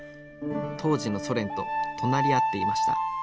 当時のソ連と隣り合っていました。